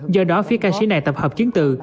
do đó phía ca sĩ này tập hợp chiến tự